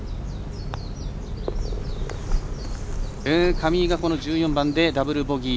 上井が１４番でダブルボギー。